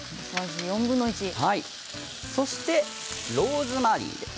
そして、ローズマリーです。